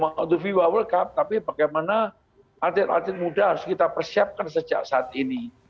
tidak cuma untuk viva world cup tapi bagaimana artis artis muda harus kita persiapkan sejak saat ini